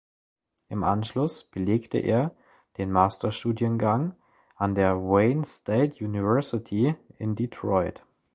Im Anschluss belegte er den Masterstudiengang an der Wayne State University in Detroit.